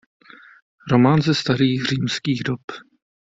Román ze starých římských dob.